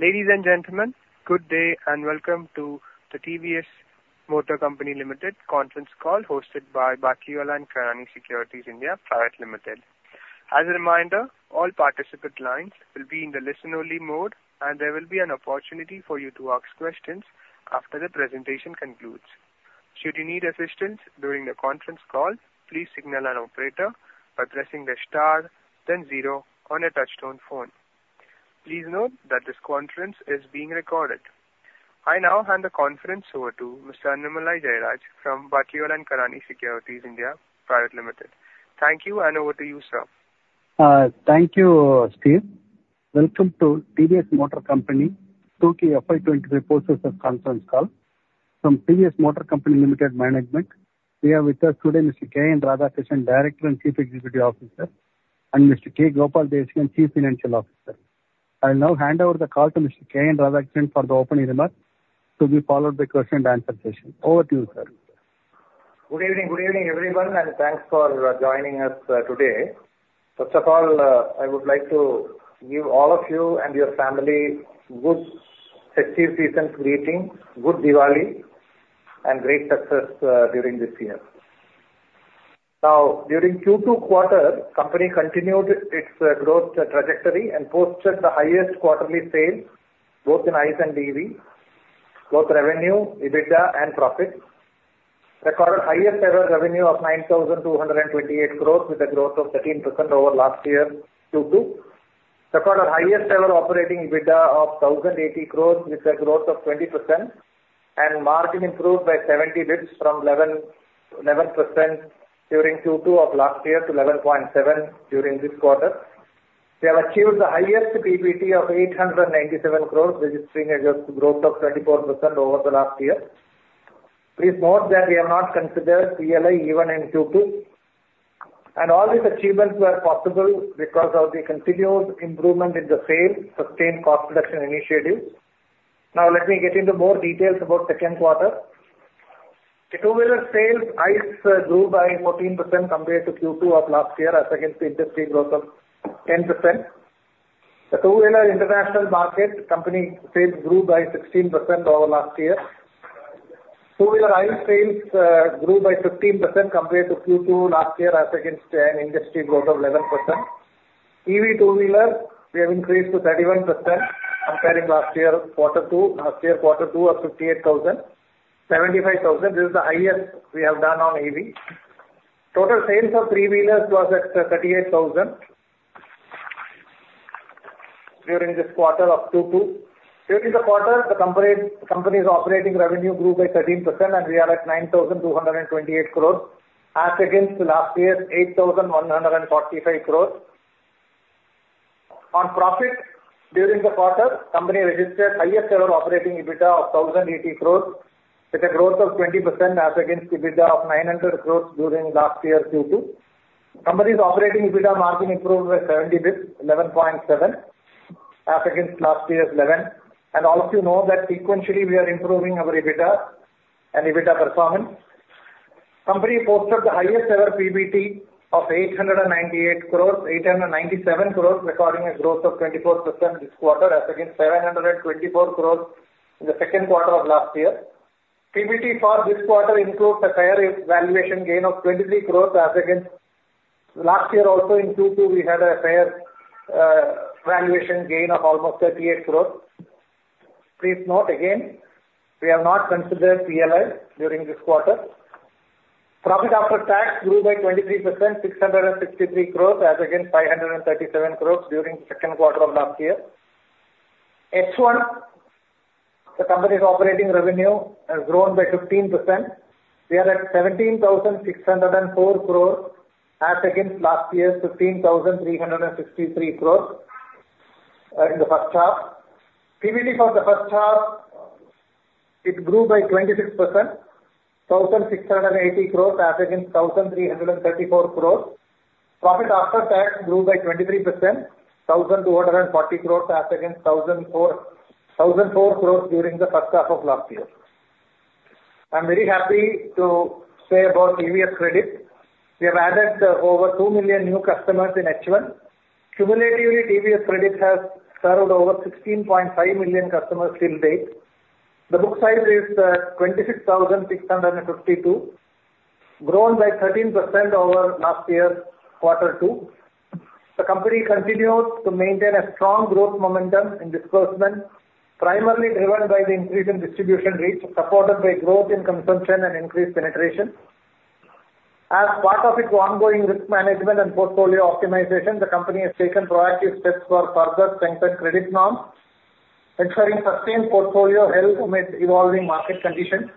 Ladies and gentlemen, good day, and welcome to the TVS Motor Company Limited conference call, hosted by Batlivala & Karani Securities India Private Limited. As a reminder, all participant lines will be in the listen-only mode, and there will be an opportunity for you to ask questions after the presentation concludes. Should you need assistance during the conference call, please signal an operator by pressing the star then zero on your touchtone phone. Please note that this conference is being recorded. I now hand the conference over to Mr. Annamalai Jayaraj from Batlivala & Karani Securities India Private Limited. Thank you, and over to you, sir. Thank you, Steve. Welcome to TVS Motor Company Q2 FY 2024 results conference call. From TVS Motor Company Limited management, we have with us today Mr. K.N. Radhakrishnan, Director and Chief Executive Officer, and Mr. K. Gopala Desikan, Chief Financial Officer. I'll now hand over the call to Mr. K.N. Radhakrishnan for the opening remarks, to be followed by question-and-answer session. Over to you, sir. Good evening, good evening, everyone, and thanks for joining us today. First of all, I would like to give all of you and your family good festive season greetings, good Diwali, and great success during this year. Now, during Q2 quarter, company continued its growth trajectory and posted the highest quarterly sales, both in ICE and EV. Both revenue, EBITDA and profit. Recorded highest ever revenue of 9,228 crores, with a growth of 13% over last year, Q2. Recorded highest ever operating EBITDA of 1,080 crores, with a growth of 20%, and margin improved by 70 basis points from 11.1% during Q2 of last year to 11.7% during this quarter. We have achieved the highest PBT of 897 crores, registering a growth of 24% over the last year. Please note that we have not considered PLI, even in Q2. All these achievements were possible because of the continuous improvement in the sales, sustained cost reduction initiatives. Now let me get into more details about second quarter. The two-wheeler sales ICE grew by 14% compared to Q2 of last year, as against industry growth of 10%. The two-wheeler international market, company sales grew by 16% over last year. Two-wheeler ICE sales grew by 15% compared to Q2 last year, as against an industry growth of 11%. EV two-wheeler, we have increased to 31% comparing last year, quarter two, last year, quarter two of 58,000, 75,000. This is the highest we have done on EV. Total sales of three-wheelers was at 38,000 during this quarter of Q2. During the quarter, the company's operating revenue grew by 13%, and we are at 9,228 crores as against last year's 8,145 crores. On profit, during the quarter, company registered highest ever operating EBITDA of 1,080 crores, with a growth of 20% as against EBITDA of 900 crores during last year's Q2. Company's operating EBITDA margin improved by 70 basis points, 11.7%, as against last year's 11%. And all of you know that sequentially we are improving our EBITDA performance. Company posted the highest ever PBT of 897 crores, recording a growth of 24% this quarter as against 724 crores in the second quarter of last year. PBT for this quarter includes a fair value valuation gain of 23 crores as against last year. Also in Q2, we had a fair valuation gain of almost 38 crores. Please note again, we have not considered PLI during this quarter. Profit after tax grew by 23%, 663 crores, as against 537 crores during second quarter of last year. H1, the company's operating revenue has grown by 15%. We are at 17,604 crores as against last year's 15,363 crores in the first half. PBT for the first half, it grew by 26%, 1,680 crores as against 1,334 crores. Profit after tax grew by 23%, 1,240 crores as against 1,404 crores during the first half of last year. I'm very happy to say about TVS Credit. We have added over 2 million new customers in H1. Cumulatively, TVS Credit has served over 16.5 million customers till date. The book size is 26,652, grown by 13% over last year's quarter two. The company continues to maintain a strong growth momentum in disbursement, primarily driven by the increase in distribution reach, supported by growth in consumption and increased penetration. As part of its ongoing risk management and portfolio optimization, the company has taken proactive steps for further strengthen credit norms, ensuring sustained portfolio health amidst evolving market conditions.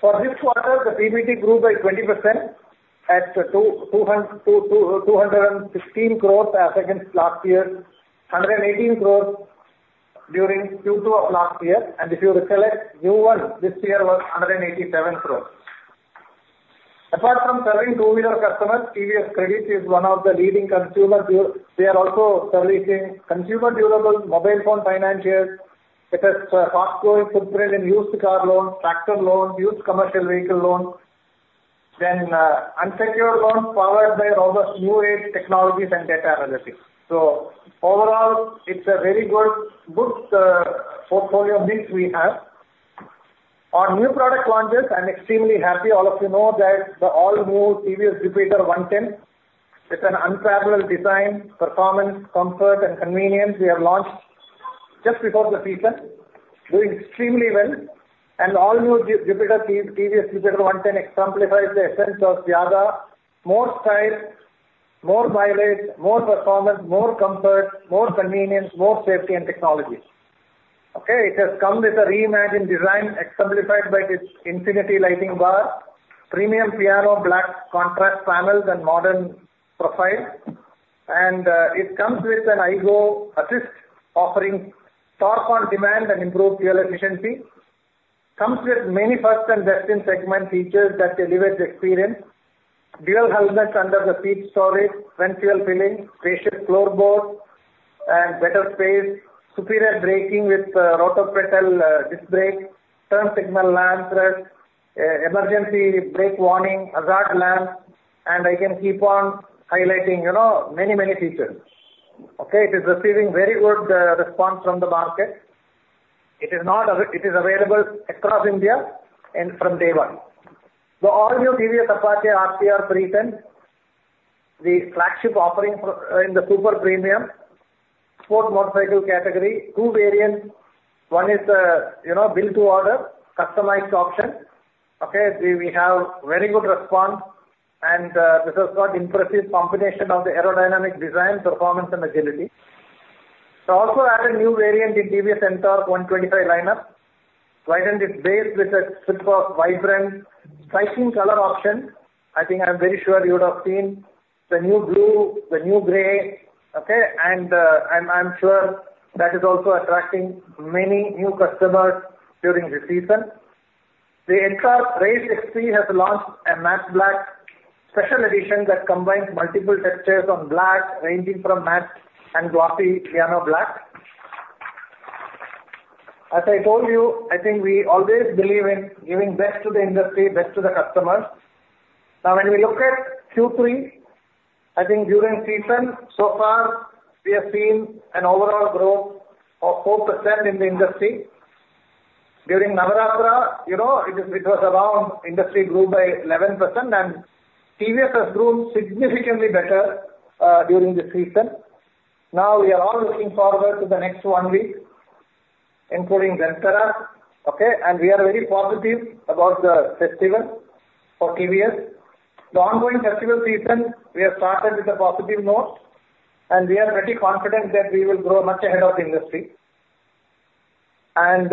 For this quarter, the PBT grew by 20% at 222 crores as against last year, 118 crores during Q2 of last year. If you recollect, Q1 this year was 187 crores. Apart from serving two-wheeler customers, TVS Credit is one of the leading consumer durables. We are also servicing consumer durable mobile phone financiers. It has a fast growing footprint in used car loans, tractor loans, used commercial vehicle loans. Unsecured loans powered by all the new age technologies and data analytics. So overall, it is a very good portfolio mix we have. On new product launches, I am extremely happy. All of you know that the all-new TVS Jupiter 110, with an unparalleled design, performance, comfort, and convenience, we have launched just before the season, doing extremely well. And all new Jupiter, TVS Jupiter 110 exemplifies the essence of Zyada: more style, more mileage, more performance, more comfort, more convenience, more safety and technology, okay? It has come with a reimagined design, exemplified by its Infinity Light Bar, premium piano black contrast panels and modern profile. And it comes with an iGO Assist, offering torque on demand and improved fuel efficiency. It comes with many first-in-segment features that elevate the experience. Dual helmets under the seat storage, front fuel filling, spacious floor board and better space, superior braking with Roto Petal, disc brake, turn signal lamp, emergency brake warning, hazard lamp, and I can keep on highlighting, you know, many, many features. Okay, it is receiving very good response from the market. It is available across India and from day one. The all-new TVS Apache RTR 310, the flagship offering for in the super premium sports motorcycle category. Two variants, one is you know, build to order, customized option. Okay, we have very good response, and this has got impressive combination of the aerodynamic design, performance and agility. We also added a new variant in TVS NTORQ 125 lineup. Widened its base with a suite of vibrant, striking color option. I think I'm very sure you would have seen the new blue, the new gray, okay? And I'm sure that is also attracting many new customers during the season. The NTORQ Race XT has launched a matte black special edition that combines multiple textures on black, ranging from matte and glossy piano black. As I told you, I think we always believe in giving best to the industry, best to the customers. Now, when we look at Q3, I think during season, so far, we have seen an overall growth of 4% in the industry. During Navratri, you know, it was around, industry grew by 11%, and TVS has grown significantly better during the season. Now, we are all looking forward to the next one week, including Dussehra, okay? And we are very positive about the festival for TVS. The ongoing festival season, we have started with a positive note, and we are pretty confident that we will grow much ahead of the industry. And,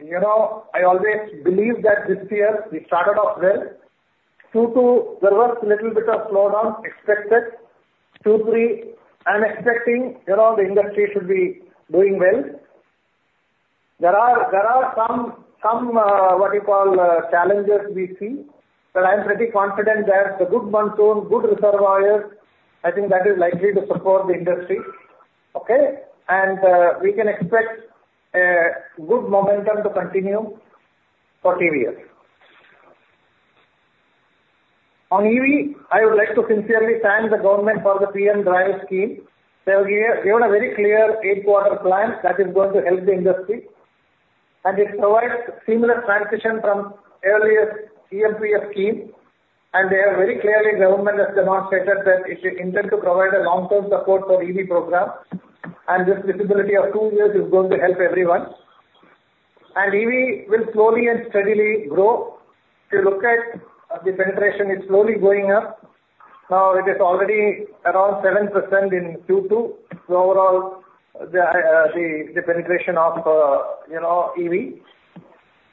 you know, I always believe that this year we started off well. Q2, there was little bit of slowdown expected. Q3, I'm expecting, you know, the industry should be doing well. There are some challenges we see, but I'm pretty confident that the good monsoon, good reservoirs, I think that is likely to support the industry, okay? We can expect a good momentum to continue for TVS. On EV, I would like to sincerely thank the government for the PM E-DRIVE scheme. They have given a very clear eight-quarter plan that is going to help the industry, and it provides seamless transition from earlier FAME II scheme. They have very clearly demonstrated that it intends to provide a long-term support for EV program, and this visibility of two years is going to help everyone. EV will slowly and steadily grow. If you look at the penetration, it's slowly going up. Now, it is already around 7% in Q2. So overall, the penetration of, you know, EV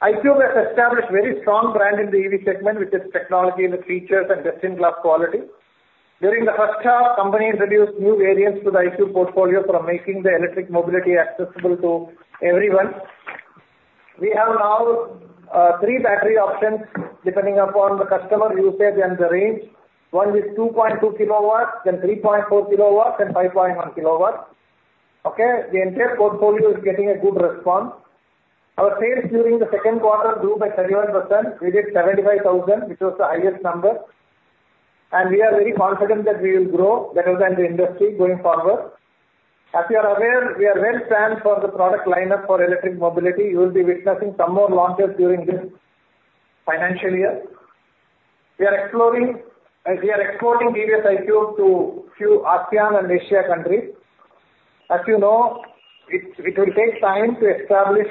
iQube has established very strong brand in the EV segment with its technology and the features and best-in-class quality. During the first half, company introduced new variants to the iQube portfolio for making the electric mobility accessible to everyone. We have now three battery options, depending upon the customer usage and the range. One is 2.2 KW, then 3.4 KW, and 5.1 KW, okay? The entire portfolio is getting a good response. Our sales during the second quarter grew by 31%. We did 75,000, which was the highest number, and we are very confident that we will grow better than the industry going forward. As you are aware, we are well planned for the product lineup for electric mobility. You will be witnessing some more launches during this financial year. We are exploring, we are exporting TVS iQube to few ASEAN and Asia countries. As you know, it will take time to establish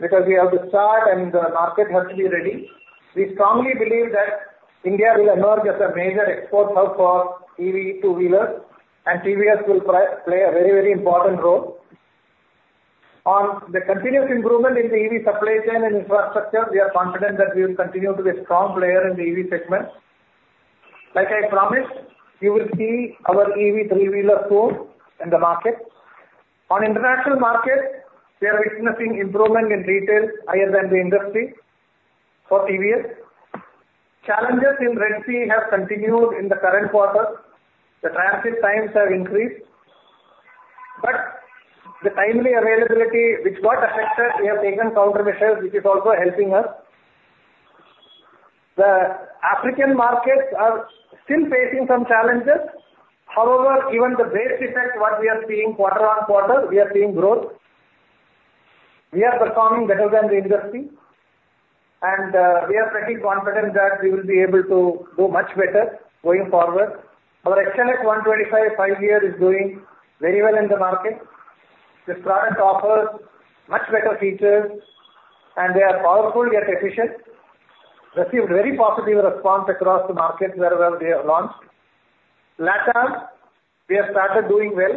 because we have to start and the market has to be ready. We strongly believe that India will emerge as a major export hub for EV two-wheelers, and TVS will play a very, very important role. On the continuous improvement in the EV supply chain and infrastructure, we are confident that we will continue to be a strong player in the EV segment. Like I promised, you will see our EV three-wheeler soon in the market. On international market, we are witnessing improvement in retail higher than the industry for TVS. Challenges in Red Sea have continued in the current quarter. The transit times have increased, but the timely availability which got affected, we have taken counter measures, which is also helping us. The African markets are still facing some challenges. However, given the base effect, what we are seeing quarter on quarter, we are seeing growth. We are performing better than the industry, and we are pretty confident that we will be able to do much better going forward. Our HLX 125 5-gear is doing very well in the market. This product offers much better features, and they are powerful, yet efficient. Received very positive response across the markets wherever we have launched. LATAM, we have started doing well,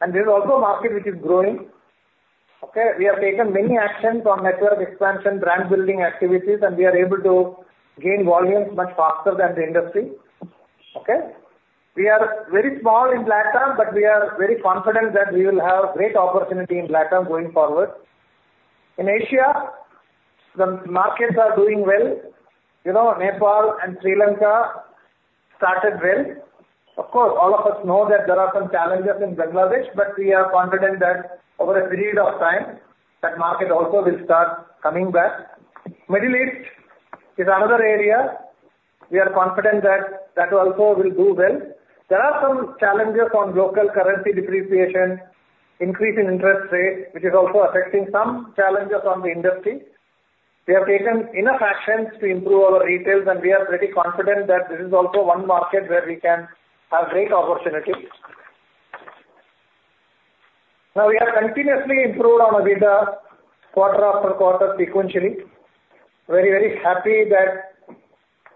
and this is also a market which is growing. Okay, we have taken many actions on network expansion, brand building activities, and we are able to gain volumes much faster than the industry. Okay? We are very small in LATAM, but we are very confident that we will have great opportunity in LATAM going forward. In Asia, the markets are doing well. You know, Nepal and Sri Lanka started well. Of course, all of us know that there are some challenges in Bangladesh, but we are confident that over a period of time, that market also will start coming back. Middle East is another area. We are confident that that also will do well. There are some challenges on local currency depreciation, increase in interest rate, which is also affecting some challenges on the industry. We have taken enough actions to improve our retail, and we are pretty confident that this is also one market where we can have great opportunity. Now, we have continuously improved on EBITDA quarter after quarter sequentially. Very, very happy that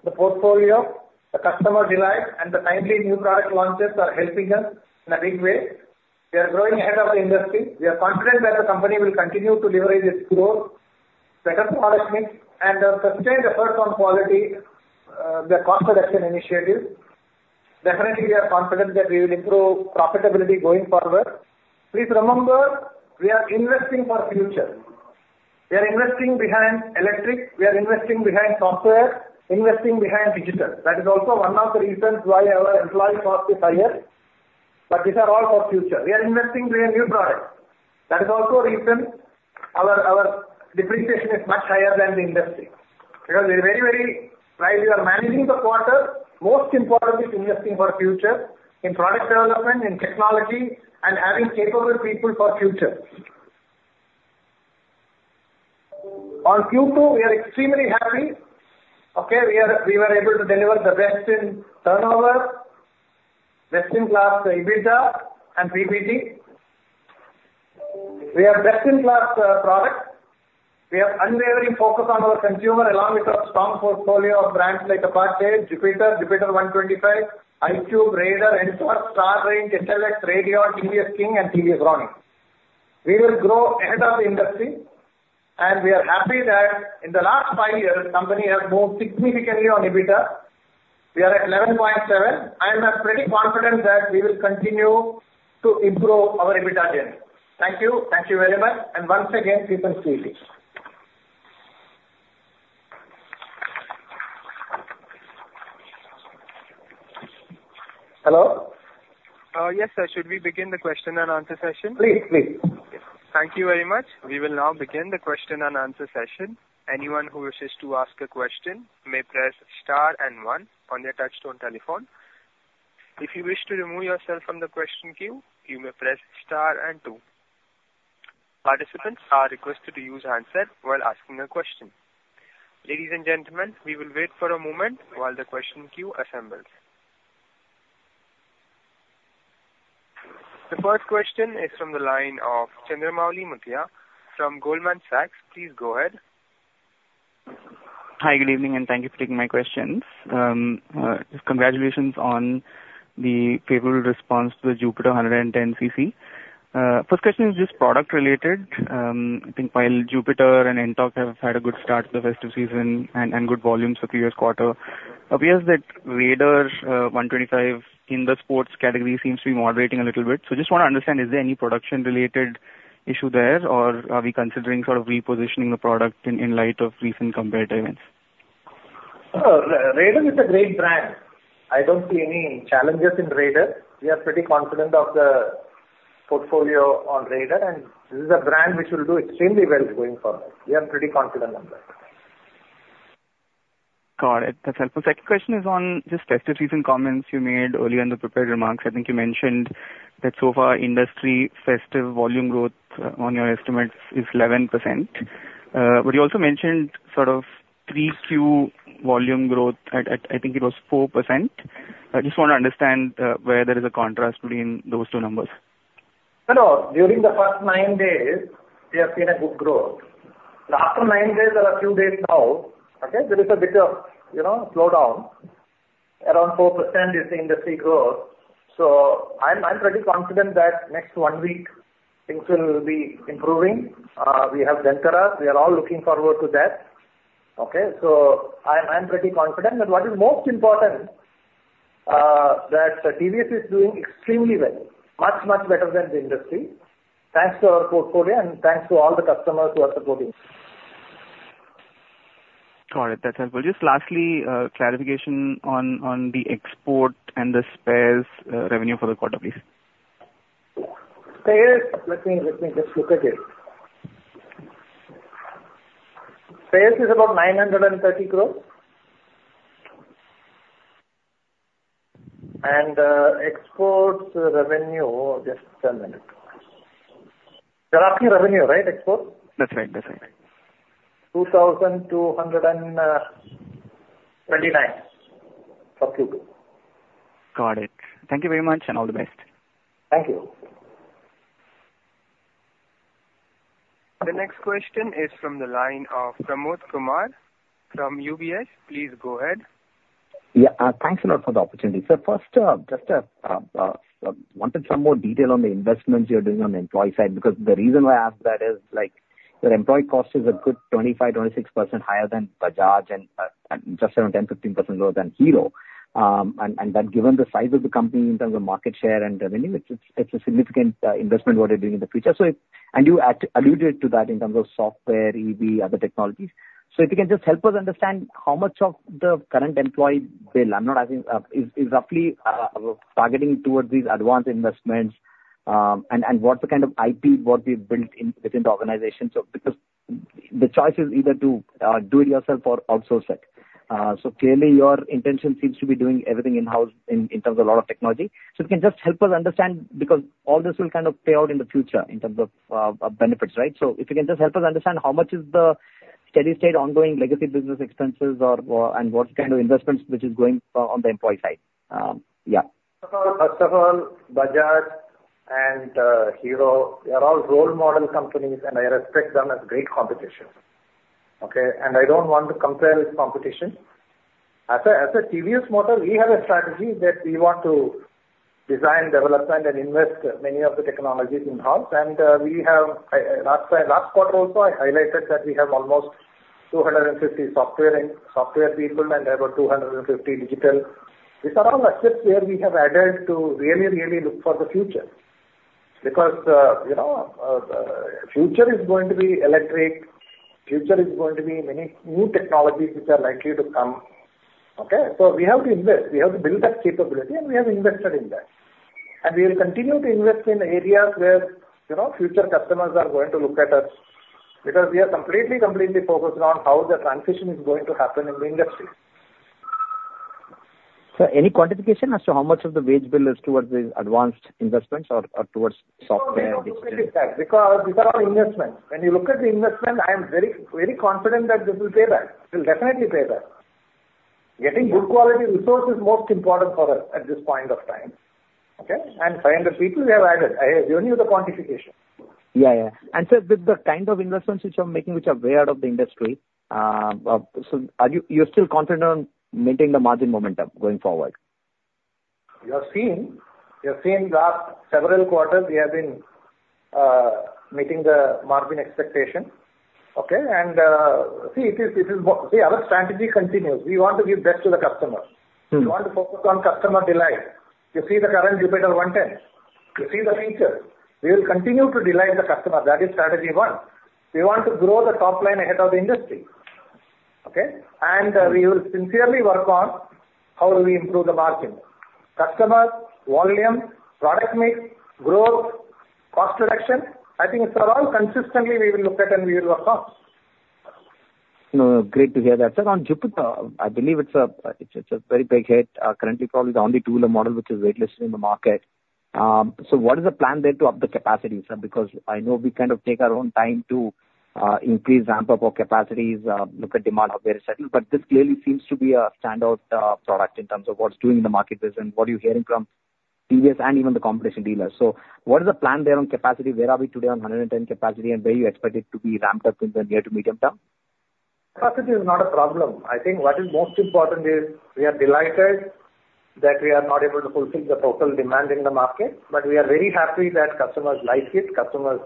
the portfolio, the customer delight, and the timely new product launches are helping us in a big way. We are growing ahead of the industry. We are confident that the company will continue to deliver this growth, better product mix and sustain the focus on quality, the cost reduction initiative. Definitely, we are confident that we will improve profitability going forward. Please remember, we are investing for future. We are investing behind electric, we are investing behind software, investing behind digital. That is also one of the reasons why our employee cost is higher, but these are all for future. We are investing in new products. That is also a reason our depreciation is much higher than the industry, because we are very, very while we are managing the quarter, most important is investing for future, in product development, in technology, and having capable people for future. On Q2, we are extremely happy. Okay, we are, we were able to deliver the best in turnover, best-in-class EBITDA and PBT. We have best-in-class products. We are unwavering focused on our consumer, along with our strong portfolio of brands like Apache, Jupiter, Jupiter 125, iQube, Raider, NTORQ, Star City+, XL100, Radeon, TVS King and TVS Ronin. We will grow ahead of the industry, and we are happy that in the last five years, company have moved significantly on EBITDA. We are at 11.7. I am pretty confident that we will continue to improve our EBITDA gain. Thank you. Thank you very much, and once again, keep them safely. Hello? Yes, sir. Should we begin the question-and-answer session? Please, please. Thank you very much. We will now begin the question and answer session. Anyone who wishes to ask a question may press star and one on their touch-tone telephone. If you wish to remove yourself from the question queue, you may press star and two. Participants are requested to use handset while asking a question. Ladies and gentlemen, we will wait for a moment while the question queue assembles. The first question is from the line of Chandramouli Muthiah from Goldman Sachs. Please go ahead. Hi, good evening, and thank you for taking my questions. Congratulations on the favorable response to the Jupiter 110 cc. First question is just product related. I think while Jupiter and NTORQ have had a good start to the festive season and good volumes for previous quarter, obvious that Raider 125 in the sports category seems to be moderating a little bit. So just want to understand, is there any production related issue there, or are we considering sort of repositioning the product in light of recent competitive events? Raider is a great brand. I don't see any challenges in Raider. We are pretty confident of the portfolio on Raider, and this is a brand which will do extremely well going forward. We are pretty confident on that. Got it. That's helpful. Second question is on just festive season comments you made earlier in the prepared remarks. I think you mentioned that so far, industry festive volume growth on your estimates is 11%. But you also mentioned sort of 3Q volume growth at, I think it was 4%. I just want to understand where there is a contrast between those two numbers. Hello. During the first nine days, we have seen a good growth. But after nine days or a few days now, okay, there is a bit of, you know, slowdown. Around 4% is the industry growth. So I'm pretty confident that next one week, things will be improving. We have Dussehra. We are all looking forward to that. Okay, so I'm pretty confident. But what is most important, that TVS is doing extremely well, much, much better than the industry. Thanks to our portfolio and thanks to all the customers who are supporting us. ... Got it. That's helpful. Just lastly, clarification on the export and the spares revenue for the quarter, please. Spares, let me just look at it. Spares is about 930 crore. Exports revenue, just a minute. You're asking revenue, right? Export? That's right. That's right. 2,229. For Q2. Got it. Thank you very much, and all the best. Thank you. The next question is from the line of Pramod Kumar from UBS. Please go ahead. Yeah, thanks a lot for the opportunity. So first, just wanted some more detail on the investments you're doing on the employee side, because the reason why I ask that is, like, your employee cost is a good 25%-26% higher than Bajaj and, and just around 10%-15% lower than Hero. And, and then given the size of the company in terms of market share and revenue, it's, it's, it's a significant investment what you're doing in the future. So if and you alluded to that in terms of software, EV, other technologies. So if you can just help us understand how much of the current employee bill, I'm not asking, is roughly targeting towards these advanced investments, and, and what's the kind of IP, what we've built in, within the organization? So because the choice is either to do it yourself or outsource it, clearly your intention seems to be doing everything in-house in terms of a lot of technology. You can just help us understand because all this will kind of play out in the future in terms of benefits, right? If you can just help us understand how much is the steady state ongoing legacy business expenses or and what kind of investments which is going on the employee side? First of all, Bajaj and Hero, they are all role model companies, and I respect them as great competition, okay? I don't want to compare with competition. As a TVS Motor, we have a strategy that we want to design, develop, and then invest many of the technologies in-house. We have, last time, last quarter also, I highlighted that we have almost 250 software people and about 250 digital. These are all assets where we have added to really, really look for the future. Because, you know, future is going to be electric, future is going to be many new technologies which are likely to come, okay? So we have to invest, we have to build that capability, and we have invested in that. And we will continue to invest in areas where, you know, future customers are going to look at us, because we are completely, completely focused on how the transition is going to happen in the industry. So any quantification as to how much of the wage bill is towards the advanced investments or towards software? Because these are all investments. When you look at the investment, I am very, very confident that this will pay back. It will definitely pay back. Getting good quality resource is most important for us at this point of time, okay? And five hundred people, we have added. I gave you the quantification. Yeah, yeah. And so with the kind of investments which you are making, which are way out of the industry, so are you still confident on maintaining the margin momentum going forward? You have seen, you have seen last several quarters, we have been meeting the margin expectation, okay? And, see, it is, it is what... See, our strategy continues. We want to give best to the customer. Mm-hmm. We want to focus on customer delight. You see the current Jupiter 110? You see the future. We will continue to delight the customer. That is strategy one. We want to grow the top line ahead of the industry, okay? And, we will sincerely work on how do we improve the margin. Customer, volume, product mix, growth, cost reduction, I think these are all consistently we will look at and we will work on. No, great to hear that. So on Jupiter, I believe it's a very big hit. Currently, probably the only two-wheeler model which is waitlisted in the market. So what is the plan there to up the capacity, sir? Because I know we kind of take our own time to increase ramp-up of capacities, look at demand out there as well. But this clearly seems to be a standout product in terms of what it's doing in the marketplace, and what are you hearing from TVS and even the competition dealers. So what is the plan there on capacity? Where are we today on hundred and ten capacity, and where you expect it to be ramped up in the near to medium term? Capacity is not a problem. I think what is most important is, we are delighted that we are not able to fulfill the total demand in the market, but we are very happy that customers like it, customers,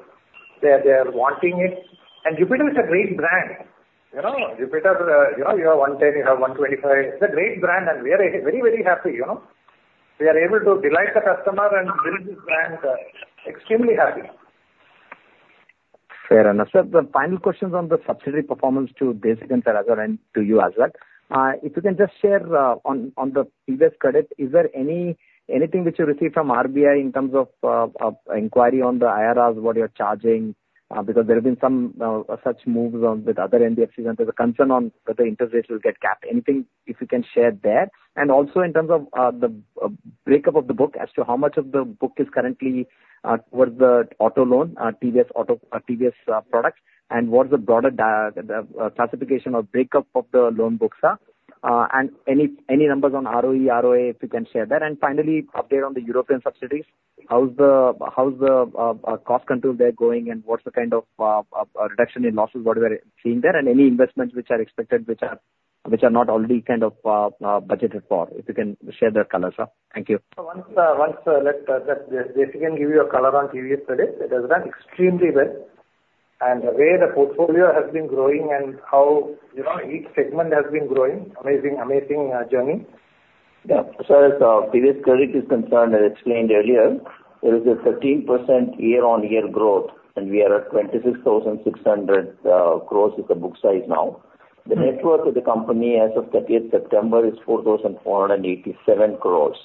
they are, they are wanting it, and Jupiter is a great brand. You know, Jupiter, you know, you have one ten, you have one twenty-five. It's a great brand, and we are very, very happy, you know? We are able to delight the customer and build this brand. Extremely happy. Fair enough. Sir, the final question is on the subsidiary performance of TVS Credit and to you as well. If you can just share on TVS Credit, is there anything which you received from RBI in terms of inquiry on the interest rates what you're charging? Because there have been some such moves on with other NBFCs, and there's a concern on whether interest rates will get capped. Anything, if you can share there. And also in terms of the breakup of the book as to how much of the book is currently what is the auto loan, two-wheeler auto, three-wheeler products, and what is the broader detailed classification or breakup of the loan book? And any numbers on ROE, ROA, if you can share that. And finally, update on the European subsidies. How's the cost control there going, and what's the kind of reduction in losses what we are seeing there, and any investments which are expected, which are not already kind of budgeted for, if you can share that color, sir. Thank you. Let Desikan again give you a color on previous credit. It has done extremely well, and the way the portfolio has been growing and how, you know, each segment has been growing, amazing journey.... Yeah. So far as TVS Credit is concerned, I explained earlier, there is a 13% year-on-year growth, and we are at 26,600 crores is the book size now. The net worth of the company as of thirtieth September is 4,487 crores,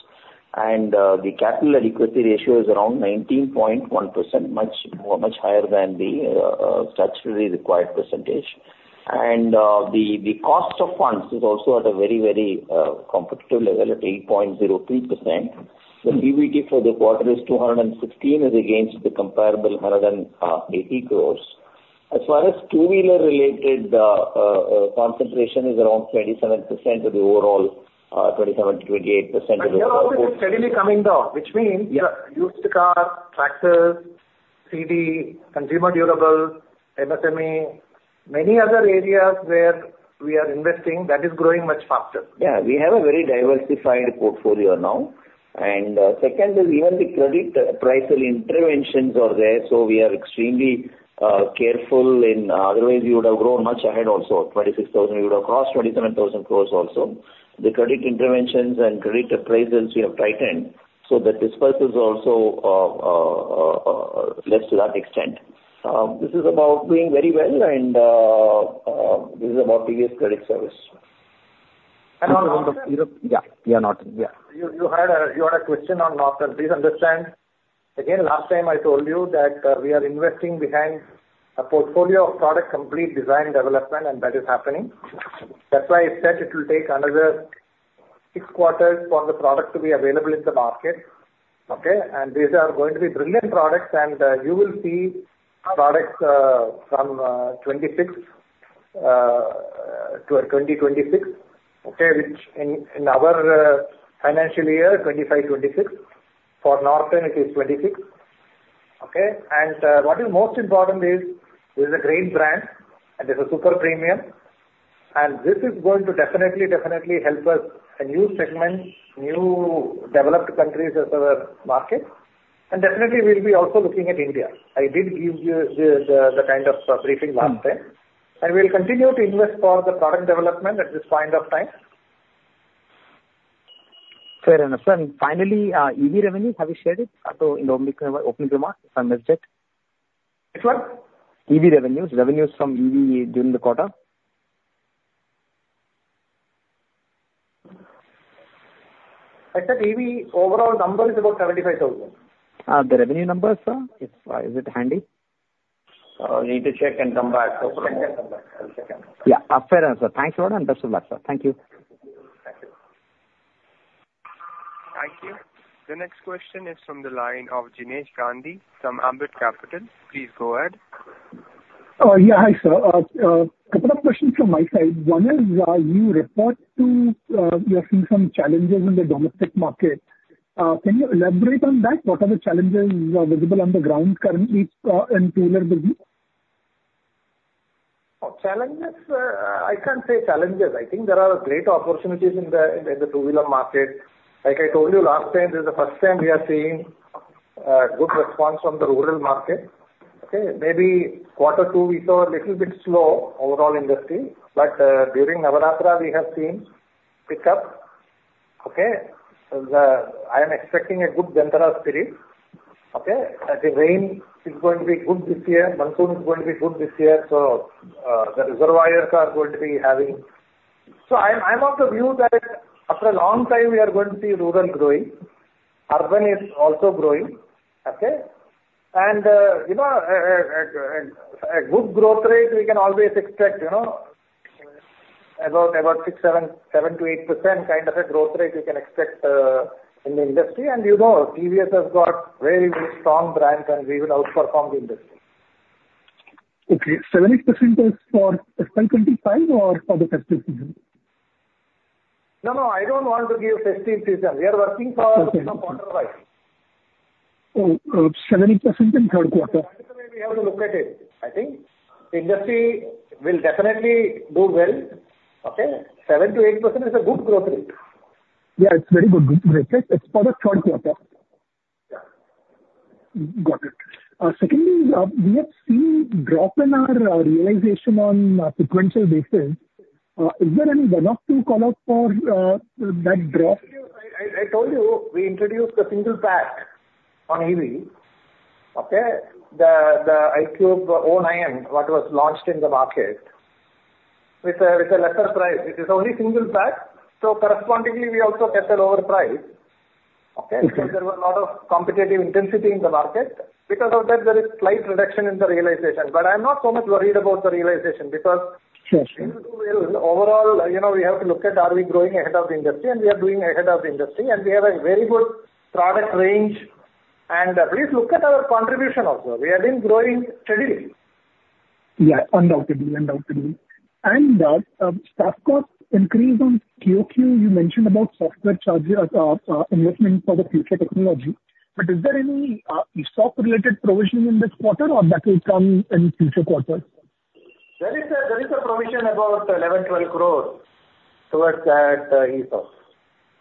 and the capital adequacy ratio is around 19.1%, much higher than the statutory required percentage. And the cost of funds is also at a very competitive level, at 8.02%. The PBT for the quarter is 216 as against the comparable 180 crores. As far as two-wheeler related concentration is around 27% of the overall 27% to 28%. But it is steadily coming down, which means. Yeah. used car, tractors, CD, consumer durables, MSME, many other areas where we are investing, that is growing much faster. Yeah, we have a very diversified portfolio now. And second, even the credit appraisal interventions are there, so we are extremely careful in... Otherwise, we would have grown much ahead also. 26,000, we would have crossed 27,000 crores also. The credit interventions and credit appraisals we have tightened so that disbursals also less to that extent. TVS is doing very well, and TVS Credit Services. And also, Europe- Yeah, we are not. Yeah. You had a question on Norton. Please understand, again, last time I told you that we are investing behind a portfolio of product complete design development, and that is happening. That's why I said it will take another six quarters for the product to be available in the market, okay? These are going to be brilliant products, and you will see products from 2026 to 2026, okay? Which in our financial year 2025-2026. For Norton, it is 2026, okay? What is most important is this is a great brand, and this is super premium. This is going to definitely help us a new segment, new developed countries as our market. Definitely we'll be also looking at India. I did give you the kind of briefing last time. Mm. We'll continue to invest for the product development at this point of time. Fair enough, sir. And finally, EV revenue, have you shared it, so in the opening remarks, if I missed it? Which one? EV revenues. Revenues from EV during the quarter. I said EV overall number is about 75,000. The revenue numbers, sir, is it handy? We need to check and come back. I can check and come back. I'll check. Yeah, fair enough, sir. Thanks a lot. Understand that, sir. Thank you. Thank you. Thank you. The next question is from the line of Jinesh Gandhi from Ambit Capital. Please go ahead. Yeah. Hi, sir. Couple of questions from my side. One is, you referred to, you are seeing some challenges in the domestic market. Can you elaborate on that? What are the challenges visible on the ground currently, in two-wheeler business? Challenges? I can't say challenges. I think there are great opportunities in the, in the two-wheeler market. Like I told you last time, this is the first time we are seeing, good response from the rural market, okay? Maybe quarter two we saw a little bit slow overall industry, but, during Navratri we have seen pick up, okay? I am expecting a good Dhanteras spirit, okay? The rain is going to be good this year. Monsoon is going to be good this year, so, the reservoirs are going to be having... So I'm of the view that after a long time, we are going to see rural growing. Urban is also growing, okay? You know, a good growth rate we can always expect, you know, about 6%, 7% to 8% kind of a growth rate you can expect in the industry. You know, TVS has got very, very strong brands, and we will outperform the industry. Okay. 7%-8% is for fiscal 2025 or for the current season? No, no, I don't want to give 50%. We are working for- Okay. - quarter wide. 7-8% in third quarter. That is the way we have to look at it. I think industry will definitely do well, okay? 7%-8% is a good growth rate. Yeah, it's very good growth rate. It's for the third quarter? Yeah. Got it. Secondly, we have seen drop in our realization on a sequential basis. Is there any one-off you call out for that drop? I told you, we introduced a single pack on EV, okay? The iQube, what was launched in the market with a lesser price. It is only single pack, so correspondingly we also adjusted our price, okay? Okay. So there were a lot of competitive intensity in the market. Because of that, there is slight reduction in the realization, but I'm not so much worried about the realization because- Sure, sure. We will do well. Overall, you know, we have to look at are we growing ahead of the industry, and we are doing ahead of the industry, and we have a very good product range, and please look at our contribution also. We have been growing steadily. Yeah, undoubtedly, undoubtedly. And staff cost increased on QoQ. You mentioned about software charges, investment for the future technology. But is there any stock-related provision in this quarter, or that will come in future quarters? There is a provision about 11- 12 crores towards that, ESOPs.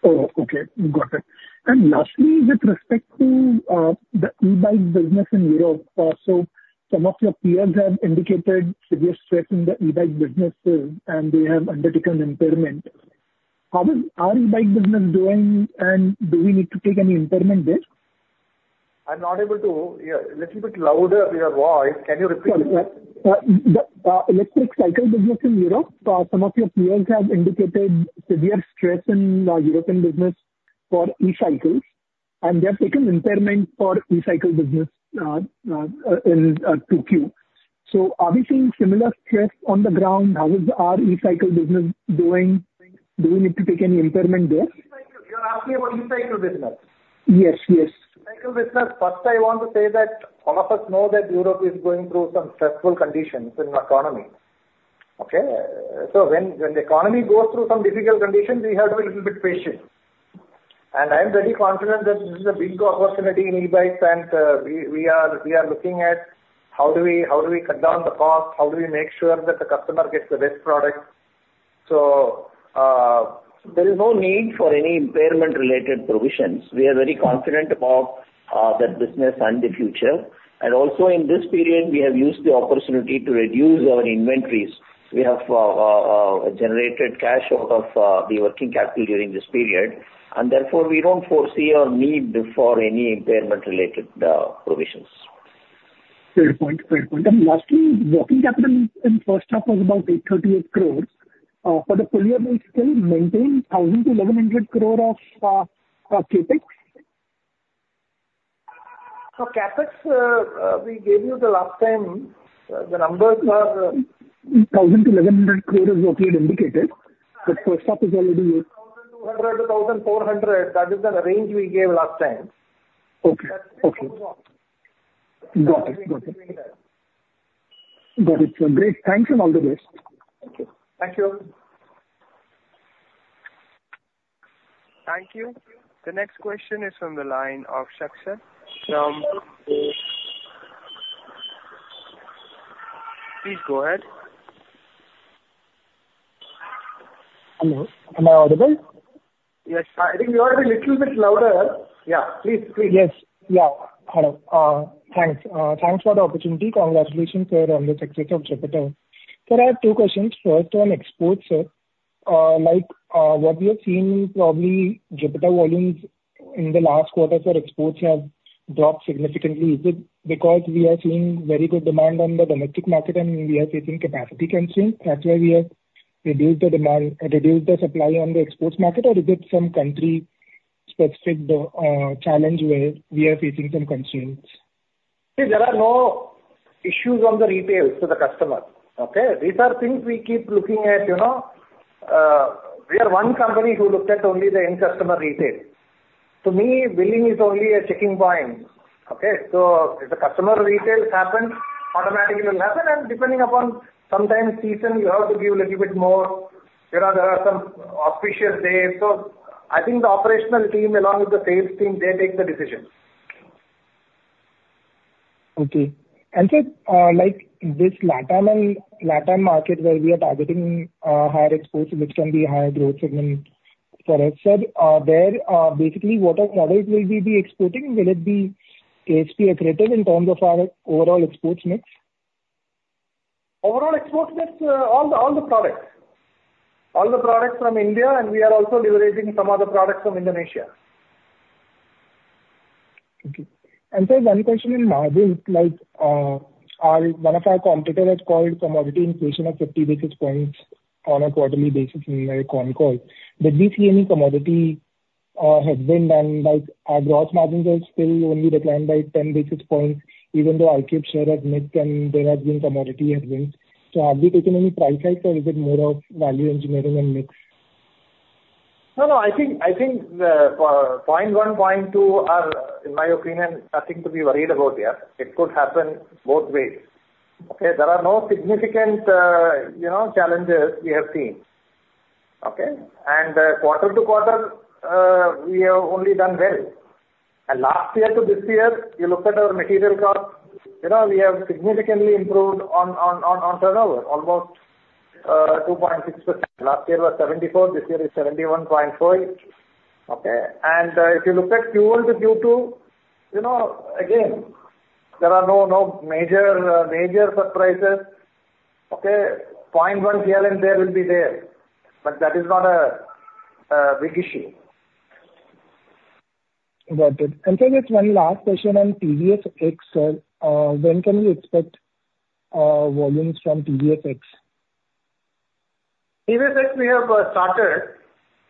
Oh, okay. Got it. And lastly, with respect to the e-bike business in Europe, so some of your peers have indicated severe stress in the e-bike business, and they have undertaken impairment. How is our e-bike business doing, and do we need to take any impairment there?... I'm not able to hear. A little bit louder your voice. Can you repeat? Sorry, the electric cycle business in Europe, some of your peers have indicated severe stress in European business for e-cycles, and they have taken impairment for e-cycle business in 2Q. So are we seeing similar stress on the ground? How is our e-cycle business doing? Do we need to take any impairment there? You're asking about e-bike business? Yes, yes. E-cycle business, first I want to say that all of us know that Europe is going through some stressful conditions in the economy, okay? So when the economy goes through some difficult conditions, we have to be a little bit patient. I am very confident that this is a big opportunity in e-bikes, and we are looking at how do we cut down the cost, how do we make sure that the customer gets the best product. So there is no need for any impairment-related provisions. We are very confident about that business and the future. Also, in this period, we have used the opportunity to reduce our inventories. We have generated cash out of the working capital during this period, and therefore, we do not foresee a need for any impairment-related provisions. Fair point. Fair point. And lastly, working capital in first half was about 838 crores. For the full year, we still maintain 1000-1100 crore of CapEx? So CapEx, we gave you the last time, the numbers are- 1,000- 1,100 crores is what you had indicated, but first half is already- 2,200- 2,400, that is the range we gave last time. Okay. Okay. That's where we are. Got it. Got it. Got it. So great. Thanks, and all the best. Thank you. Thank you. Thank you. The next question is from the line of Sahil. Please go ahead. Hello, am I audible? Yes. I think you have to be a little bit louder. Yeah, please proceed. Yes. Yeah. Hello. Thanks. Thanks for the opportunity. Congratulations on the success of Jupiter. Sir, I have two questions. First, on exports, sir. Like, what we have seen probably Jupiter volumes in the last quarter, sir, exports have dropped significantly. Is it because we are seeing very good demand on the domestic market, and we are facing capacity constraints, that's why we have reduced the demand... reduced the supply on the exports market, or is it some country-specific challenge where we are facing some constraints? See, there are no issues on the retail to the customer, okay? These are things we keep looking at, you know. We are one company who looks at only the end customer retail. To me, billing is only a checking point, okay? So if the customer retail happens, automatically it will happen, and depending upon sometimes season, you have to give little bit more. You know, there are some official days. So I think the operational team, along with the sales team, they take the decision. Okay. And sir, like this LATAM and LATAM market, where we are targeting higher exports, which can be higher growth segment for us. Sir, there, basically, what are products will we be exporting? Will it be ASP accretive in terms of our overall exports mix? Overall exports mix, all the products from India, and we are also delivering some other products from Indonesia. Okay. And sir, one question in margin, like, one of our competitor has called commodity inflation of fifty basis points on a quarterly basis in Concall. Did we see any commodity headwind, and, like, our gross margins have still only declined by ten basis points, even though RM cost share has mixed and there has been commodity headwinds. So have you taken any price hike, or is it more of value engineering and mix? No, no. I think point one, point two are, in my opinion, nothing to be worried about here. It could happen both ways, okay? There are no significant, you know, challenges we have seen, okay? And quarter to quarter, we have only done well. And last year to this year, you look at our material costs, you know, we have significantly improved on turnover, almost 2.6%. Last year was 74%; this year is 71.4%, okay? And if you look at Q1 to Q2, you know, again, there are no major surprises, okay? Point one here and there will be there, but that is not a big issue. Got it. And sir, just one last question on TVS X, sir. When can we expect volumes from TVS X? TVS X, we have started,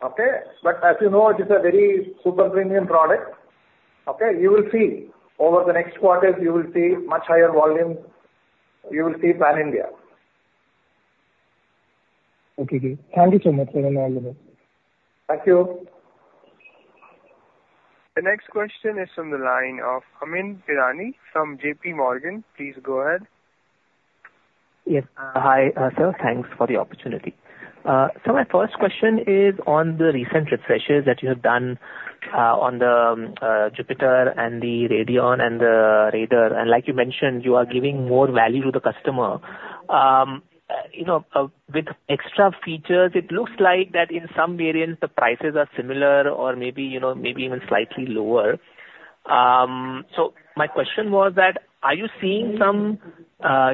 okay? But as you know, it is a very super premium product, okay? You will see, over the next quarters, you will see much higher volumes. You will see pan-India. Okay. Thank you so much, sir. I appreciate it. Thank you. The next question is from the line of Amyn Pirani from JP Morgan. Please go ahead. Yes. Hi, sir. Thanks for the opportunity. So my first question is on the recent refreshes that you have done on the Jupiter and the Radeon and the Raider. And like you mentioned, you are giving more value to the customer. You know, with extra features, it looks like that in some variants, the prices are similar or maybe, you know, maybe even slightly lower. So my question was that, are you seeing some,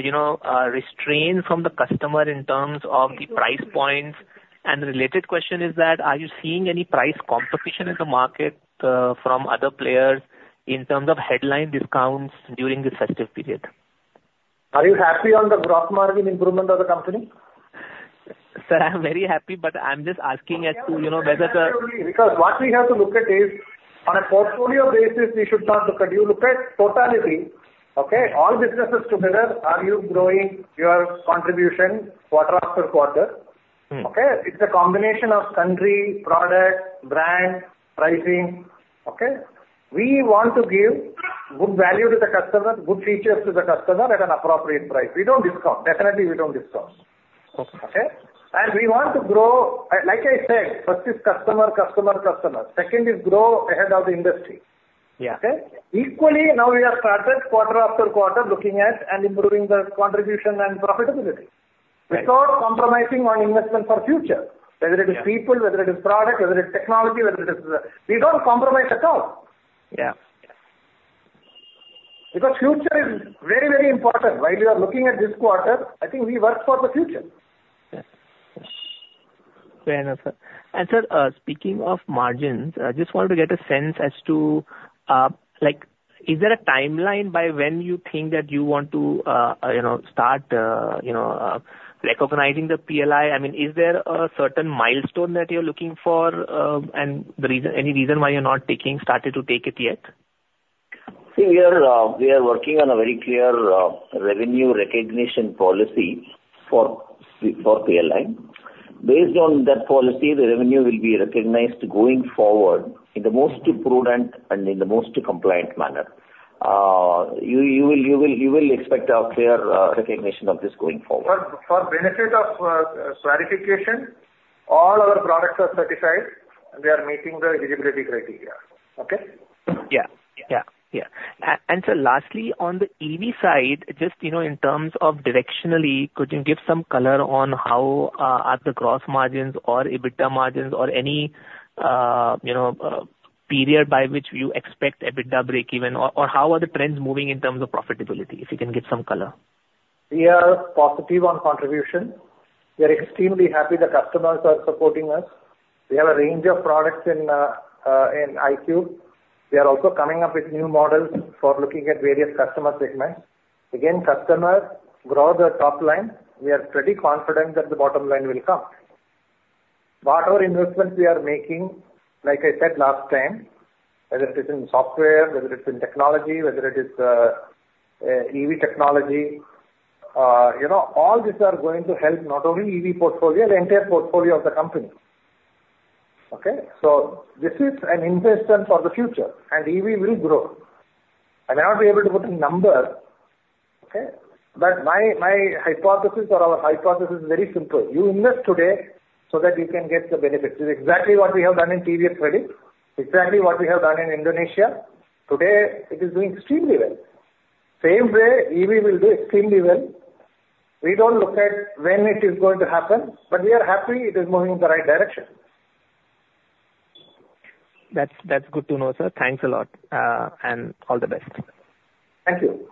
you know, restraint from the customer in terms of the price points? And the related question is that, are you seeing any price competition in the market from other players in terms of headline discounts during this festive period? ...Are you happy on the gross margin improvement of the company? Sir, I'm very happy, but I'm just asking as to, you know, whether the- Because what we have to look at is, on a portfolio basis, we should not look at. You look at totality, okay? All businesses together, are you growing your contribution quarter after quarter? Mm. Okay. It's a combination of country, product, brand, pricing. Okay? We want to give good value to the customer, good features to the customer at an appropriate price. We don't discount. Definitely, we don't discount. Okay. Okay? And we want to grow, like I said, first is customer, customer, customer. Second is grow ahead of the industry. Yeah. Okay? Equally, now we have started quarter after quarter, looking at and improving the contribution and profitability- Right... without compromising on investment for future- Yeah. Whether it is people, whether it is product, whether it's technology, whether it is... We don't compromise at all. Yeah. Because future is very, very important. While we are looking at this quarter, I think we work for the future. Yes. Yes. Fair enough, sir. And sir, speaking of margins, I just wanted to get a sense as to, like, is there a timeline by when you think that you want to, you know, start, you know, recognizing the PLI? I mean, is there a certain milestone that you're looking for, and the reason, any reason why you're not started to take it yet? See, we are working on a very clear revenue recognition policy for PLI. Based on that policy, the revenue will be recognized going forward in the most prudent and in the most compliant manner. You will expect a clear recognition of this going forward. For benefit of clarification, all our products are certified, and we are meeting the eligibility criteria. Okay? Yeah. And, sir, lastly, on the EV side, just, you know, in terms of directionally, could you give some color on how are the gross margins or EBITDA margins or any, you know, period by which you expect EBITDA breakeven? Or how are the trends moving in terms of profitability, if you can give some color? We are positive on contribution. We are extremely happy the customers are supporting us. We have a range of products in iQube. We are also coming up with new models for looking at various customer segments. Again, customers grow the top line, we are pretty confident that the bottom line will come. Whatever investments we are making, like I said last time, whether it is in software, whether it's in technology, whether it is EV technology, you know, all these are going to help not only EV portfolio, the entire portfolio of the company. Okay? So this is an investment for the future, and EV will grow. I may not be able to put a number, okay, but my, my hypothesis or our hypothesis is very simple: You invest today so that you can get the benefit. This is exactly what we have done in TVS Credit, exactly what we have done in Indonesia. Today, it is doing extremely well. Same way, EV will do extremely well. We don't look at when it is going to happen, but we are happy it is moving in the right direction. That's, that's good to know, sir. Thanks a lot, and all the best. Thank you.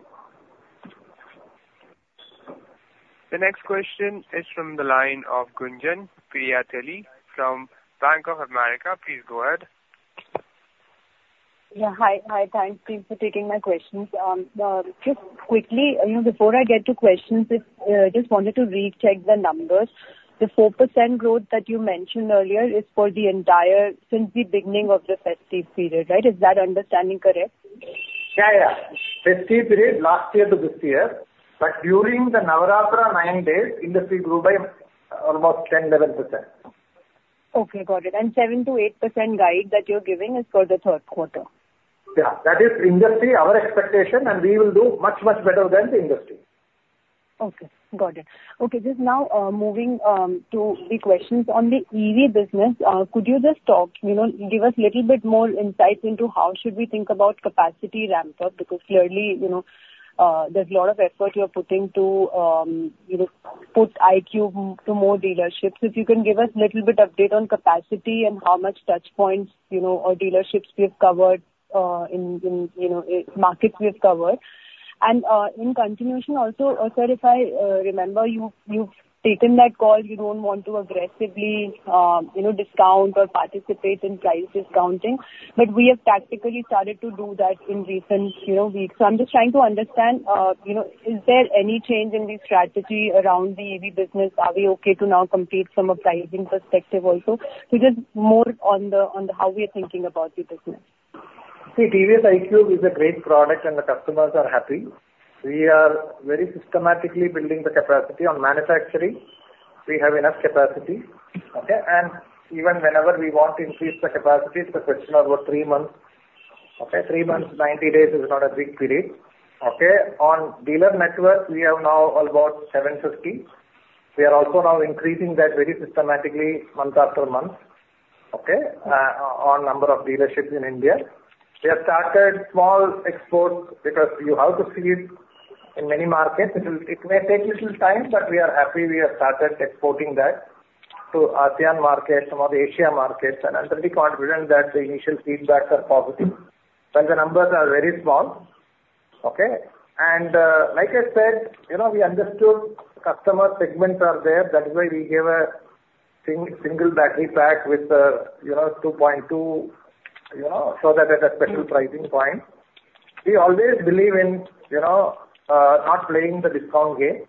The next question is from the line of Gunjan Prithyani from Bank of America. Please go ahead. Yeah, hi. Hi, thanks for taking my questions. Just quickly, you know, before I get to questions, I just wanted to recheck the numbers. The 4% growth that you mentioned earlier is for the industry since the beginning of the festive period, right? Is that understanding correct? Yeah, yeah. Festive period last year to this year, but during the Navratri nine days, industry grew by almost 10%-11%. Okay, got it. And 7%-8% guide that you're giving is for the third quarter? Yeah, that is industry, our expectation, and we will do much, much better than the industry. Okay, got it. Okay, just now, moving to the questions on the EV business, could you just talk, you know, give us a little bit more insight into how should we think about capacity ramp-up? Because clearly, you know, there's a lot of effort you're putting to, you know, put iQube to more dealerships. If you can give us a little bit update on capacity and how much touchpoints, you know, or dealerships you've covered in, you know, markets we've covered. And in continuation also, sir, if I remember, you've taken that call, you don't want to aggressively, you know, discount or participate in price discounting, but we have tactically started to do that in recent, you know, weeks. So I'm just trying to understand, you know, is there any change in the strategy around the EV business? Are we okay to now compete from a pricing perspective also? So just more on the how we are thinking about the business. See, TVS iQube is a great product, and the customers are happy. We are very systematically building the capacity. On manufacturing, we have enough capacity, okay? And even whenever we want to increase the capacity, it's a question of about three months, okay? Three months, ninety days is not a big period. Okay. On dealer network, we have now about 750. We are also now increasing that very systematically month after month, okay, on number of dealerships in India. We have started small exports because you have to see it in many markets. It will, it may take little time, but we are happy we have started exporting that to ASEAN markets, some of the Asia markets, and I'm pretty confident that the initial feedbacks are positive, but the numbers are very small. Okay? And, like I said, you know, we understood customer segments are there. That's why we gave a single battery pack with, you know, 2.2, you know, so that at a special pricing point. We always believe in, you know, not playing the discount game,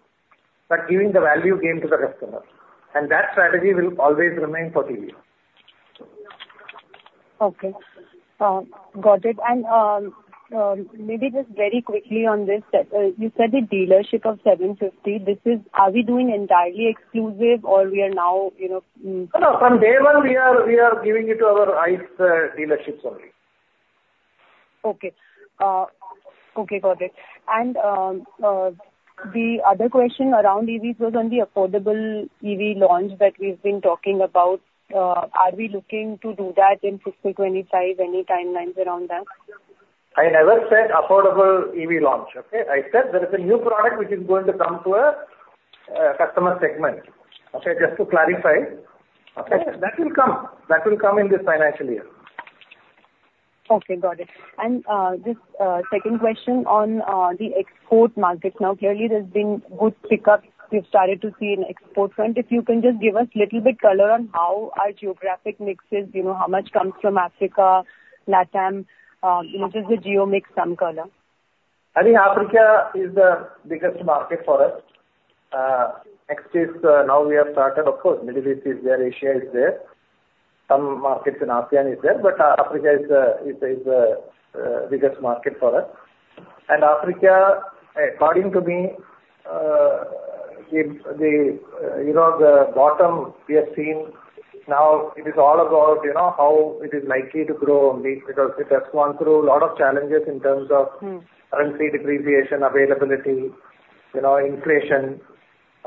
but giving the value game to the customer, and that strategy will always remain for TVS. Okay. Got it. And, maybe just very quickly on this, you said the dealership of 750, this is - are we doing entirely exclusive or we are now, you know, No, no. From day one, we are giving it to our highest dealerships only. Okay. Okay, got it. And, the other question around EVs was on the affordable EV launch that we've been talking about. Are we looking to do that in fiscal twenty-five? Any timelines around that? I never said affordable EV launch, okay? I said there is a new product which is going to come to a customer segment. Okay, just to clarify. Okay. That will come, that will come in this financial year. Okay, got it. Just a second question on the export market. Now, clearly there's been good pickup we've started to see in export front. If you can just give us a little bit color on how our geographic mix is, you know, how much comes from Africa, LATAM, you know, just the geo mix, some color. I think Africa is the biggest market for us. Next is, now we have started, of course, Middle East is there, Asia is there, some markets in ASEAN is there, but Africa is the biggest market for us. And Africa, according to me, you know, the bottom we have seen, now it is all about, you know, how it is likely to grow only because it has gone through a lot of challenges in terms of- Mm. currency depreciation, availability, you know, inflation.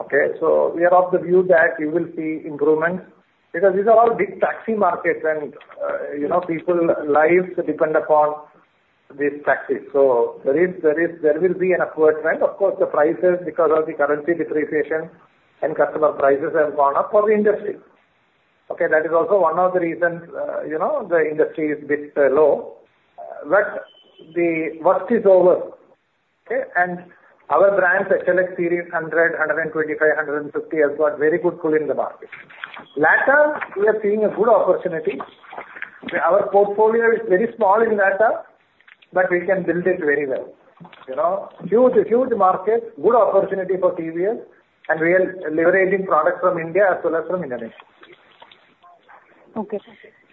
Okay, so we are of the view that you will see improvements, because these are all big taxi markets and, you know, people's lives depend upon these taxis. So there will be an upward trend. Of course, the prices, because of the currency depreciation and customer prices have gone up for the industry. Okay, that is also one of the reasons, you know, the industry is bit low. But the worst is over, okay? And our brands, XL100 series, 100, 125, 150, has got very good pull in the market. LATAM, we are seeing a good opportunity. Our portfolio is very small in LATAM, but we can build it very well. You know, huge markets, good opportunity for TVS, and we are leveraging products from India as well as from Indonesia. Okay.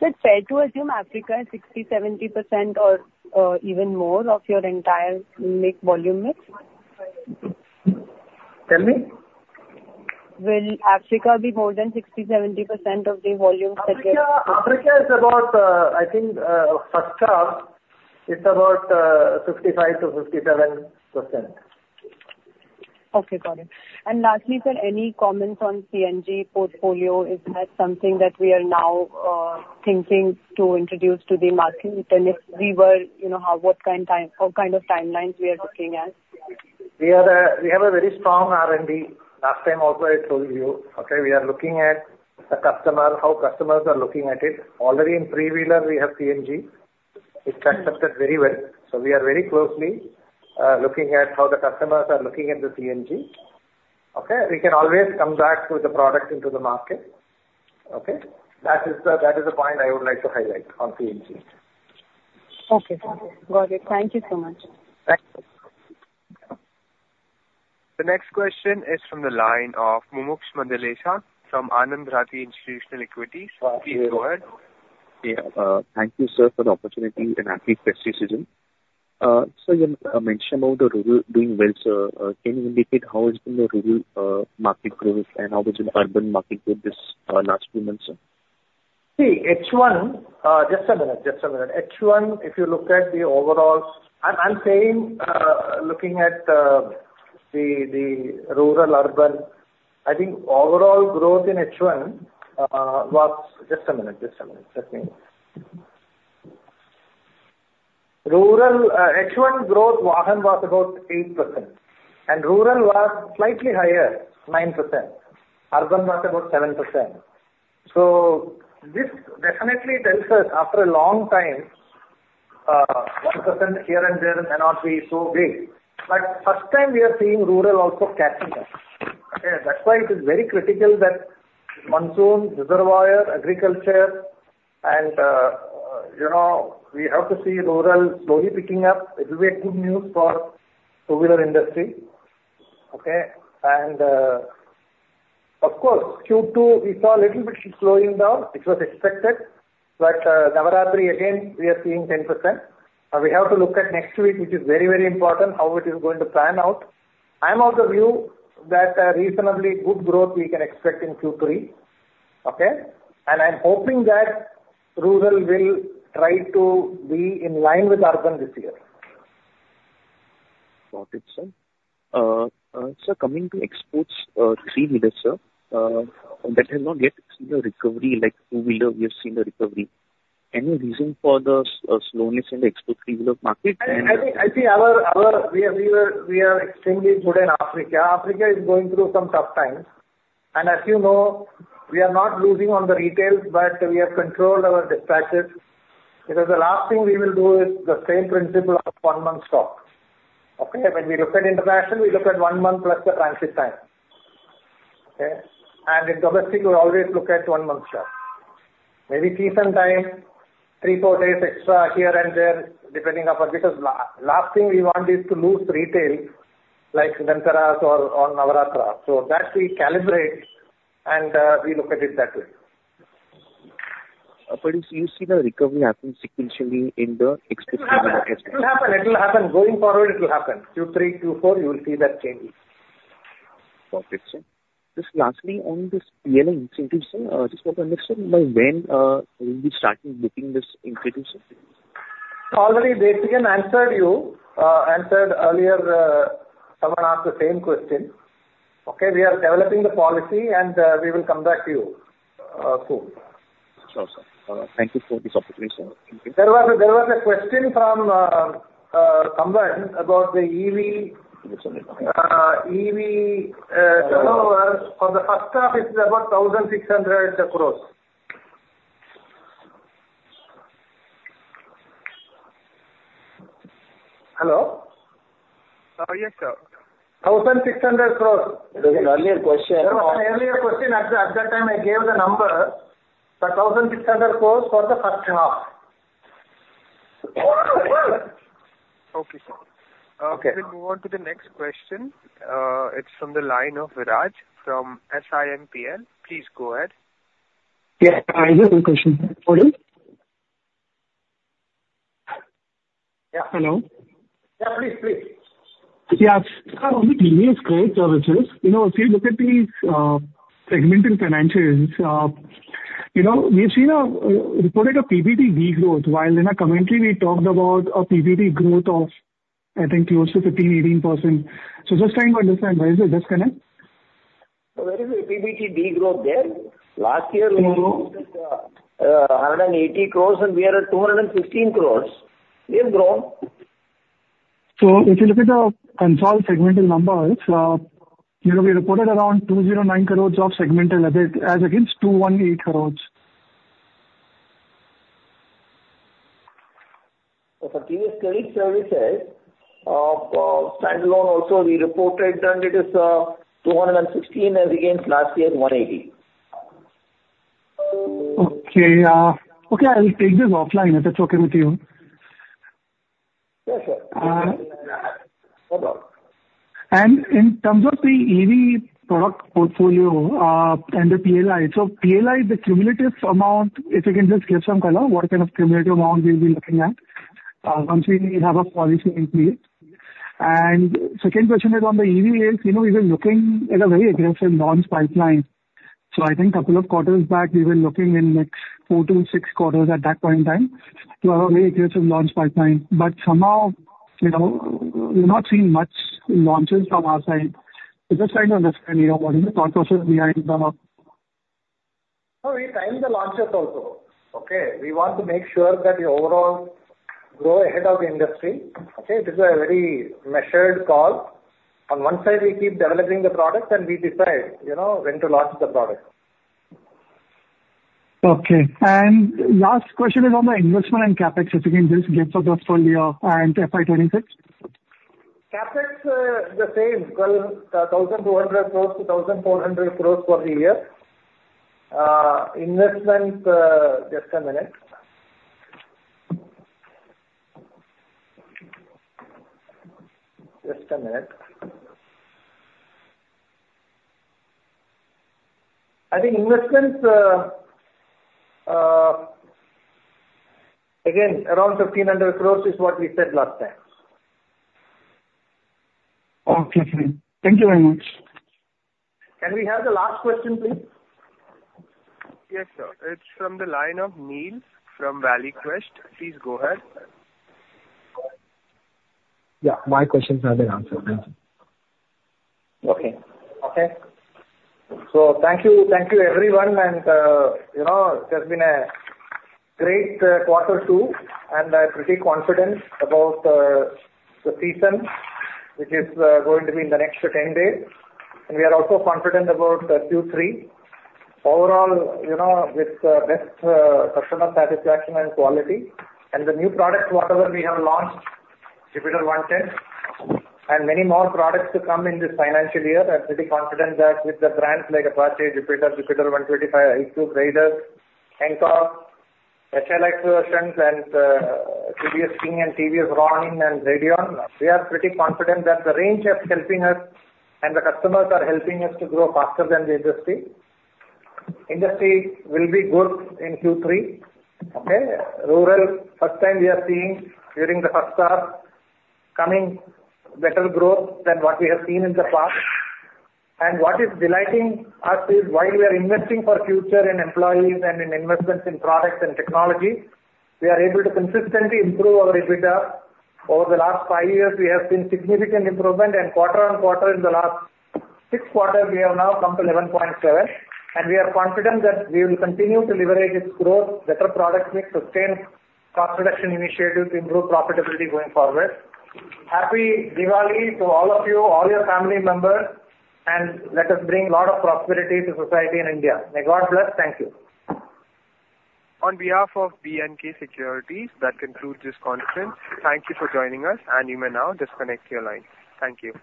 So it's fair to assume Africa is 60%-70% or even more of your entire make volume mix? Tell me? Will Africa be more than 60%-70% of the volume segment? Africa, Africa is about, I think, first half, it's about, 65%-67%. Okay, got it. And lastly, sir, any comments on CNG portfolio? Is that something that we are now thinking to introduce to the market? And if we were, you know, how, what kind of timelines we are looking at? We are, we have a very strong R&D. Last time also I told you, okay, we are looking at the customer, how customers are looking at it. Already in three-wheeler we have CNG. Mm-hmm. It's accepted very well. So we are very closely looking at how the customers are looking at the CNG. Okay? We can always come back with the product into the market. Okay? That is the, that is the point I would like to highlight on CNG. Okay. Got it. Thank you so much. Thank you. The next question is from the line of Mumuksh Mandlesha from Anand Rathi Institutional Equities. Please go ahead. Yeah. Thank you, sir, for the opportunity, and happy festive season. So you mentioned about the rural doing well, sir. Can you indicate how it's been the rural market growth and how has been urban market growth this last few months, sir? See, H1. Just a minute. H1, if you look at the overall, I'm saying, looking at the rural, urban, I think overall growth in H1 was. Just a minute. Let me. Rural H1 growth volume was about 8%, and rural was slightly higher, 9%. Urban was about 7%. So this definitely tells us after a long time, 1% here and there may not be so big, but first time we are seeing rural also catching up. Okay? That's why it is very critical that monsoon, reservoir, agriculture and, you know, we have to see rural slowly picking up. It will be a good news for two-wheeler industry, okay? And, of course, Q2, we saw a little bit slowing down, which was expected. Navratri again, we are seeing 10%. We have to look at next week, which is very, very important, how it is going to pan out. I'm of the view that a reasonably good growth we can expect in Q3, okay? I'm hoping that rural will try to be in line with urban this year. Got it, sir. Sir, coming to exports, three-wheeler, sir, that has not yet seen a recovery like two-wheeler we have seen the recovery. Any reason for the slowness in the export three-wheeler market? I think we are extremely good in Africa. Africa is going through some tough times, and as you know, we are not losing on the retail, but we have controlled our dispatches. Because the last thing we will do is the same principle of one month stock, okay? When we look at international, we look at one month plus the transit time. Okay? And in domestic, we always look at one month stock. Maybe season time, three, four days extra here and there, depending upon because last thing we want is to lose retail, like Dussehra or on Navratri. So that we calibrate and we look at it that way. But do you see the recovery happening sequentially in the next three months? It will happen, it will happen. Going forward, it will happen. Q3, Q4, you will see that change. Got it, sir. Just lastly, on this PLI, just so I understand, by when, you'll be starting booking this increase of sales? Already I answered you earlier, someone asked the same question. Okay, we are developing the policy, and we will come back to you soon. Sure, sir. Thank you for this opportunity, sir. Thank you. There was a question from someone about the EV- Yes EV turnover. For the first half, it's about INR 1,600 crores. Hello? Yes, sir. 1,600 crores. It was an earlier question. There was an earlier question. At that time, I gave the number, INR 1,600 crores for the first half. Okay, sir. Okay. We'll move on to the next question. It's from the line of Viraj from SiMPL. Please go ahead. Yeah, I have one question. Pardon? Yeah. Hello? Yeah, please, please. Yeah. On the TVS Credit Services, you know, if you look at these segmental financials, you know, we've seen a reported PBT de-growth, while in our commentary, we talked about a PBT growth of, I think, close to 15%-18%. So just trying to understand, where is the disconnect? So where is the PBT de-growth there? Last year we grew 180 crores, and we are at 215 crores. We have grown. So if you look at the consolidated segmental numbers, you know, we reported around 209 crores of segmental EBIT as against 218 crores. For TVS Credit Services, standalone also, we reported that it is 216 as against last year's 180. Okay, Okay, I will take this offline, if that's okay with you. Yes, sir. No problem. And in terms of the EV product portfolio, and the PLI. So PLI, the cumulative amount, if you can just give some color, what kind of cumulative amount we'll be looking at, once we have a policy in place? And second question is on the EV, you know, you were looking at a very aggressive launch pipeline. So I think couple of quarters back, we were looking in next four to six quarters at that point in time, to have a very aggressive launch pipeline. But somehow, you know, we're not seeing much launches from our side. We're just trying to understand, you know, what is the thought process behind the launch? So we time the launches also, okay? We want to make sure that we overall grow ahead of the industry, okay? This is a very measured call. On one side, we keep developing the products, and we decide, you know, when to launch the product. Okay. And last question is on the investment and CapEx, if you can just give us the portfolio and FY 2026. CapEx, the same, well, 1,200 crores to 1,400 crores for the year. Investment, just a minute. Just a minute. I think investments, again, around 1,500 crores is what we said last time. Okay, great. Thank you very much. Can we have the last question, please? Yes, sir. It's from the line of Neil from ValueQuest. Please go ahead. Yeah, my questions have been answered. Thank you. Okay. So thank you, everyone. And, you know, it has been a great quarter two, and I'm pretty confident about the season, which is going to be in the next ten days. And we are also confident about the Q3. Overall, you know, with best customer satisfaction and quality, and the new products, whatever we have launched, Jupiter 110, and many more products to come in this financial year. I'm pretty confident that with the brands like Apache, Jupiter, Jupiter 125, iQube, Raider, NTORQ, XL, and TVS King, and TVS Ronin and Radeon, we are pretty confident that the range is helping us, and the customers are helping us to grow faster than the industry. Industry will be good in Q3, okay? Rural, first time we are seeing during the first half coming better growth than what we have seen in the past, and what is delighting us is, while we are investing for future in employees and in investments in products and technology, we are able to consistently improve our EBITDA. Over the last five years, we have seen significant improvement, and quarter on quarter, in the last six quarters, we have now come to 11.7, and we are confident that we will continue to leverage this growth, better product mix, sustain cost reduction initiatives to improve profitability going forward. Happy Diwali to all of you, all your family members, and let us bring lot of prosperity to society in India. May God bless. Thank you. On behalf of B&K Securities, that concludes this conference. Thank you for joining us, and you may now disconnect your line. Thank you.